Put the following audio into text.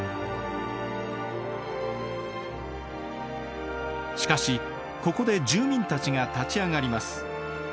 しかしここで住民たちが立ち上がります。